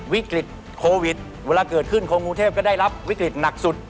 วิกฤตโควิดเวลาเกิดขึ้นคนกรุงเทพก็ได้รับวิกฤตหนักสุด